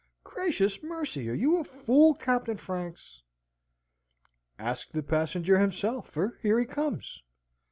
Gracious mercy, are you a fool, Captain Franks?" "Ask the passenger himself, for here he comes."